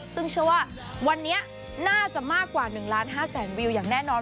ซึ่งเชื่อว่าวันนี้น่าจะมากกว่า๑ล้าน๕แสนวิวอย่างแน่นอน